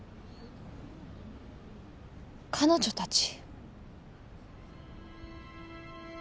彼女たち？